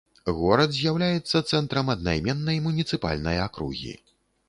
Горад з'яўляецца цэнтрам аднайменнай муніцыпальнай акругі.